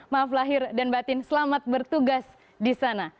maaf lahir dan batin selamat bertugas di sana